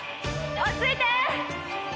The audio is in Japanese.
落ち着いて！